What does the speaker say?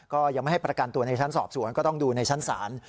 ก็ยังไม่ให้ประกันตัวในชั้นสอบสวนก็ต้องดูในชั้นศาล